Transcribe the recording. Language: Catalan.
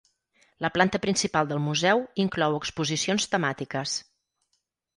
La planta principal del museu inclou exposicions temàtiques.